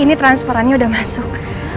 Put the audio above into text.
ini transferannya udah masuk